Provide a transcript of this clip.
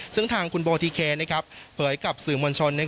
ซึ่งทางคุณโบทิเคเผยกับสื่อมวลชน